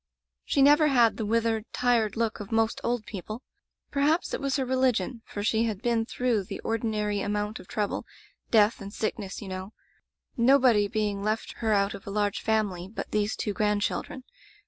"She never had the withered, tired look of most old people. Perhaps it was her re ligion, for she had been through the ordi nary amount of trouble — death and sickness, you know — nobody being left her out of a large family but these two grandchildren.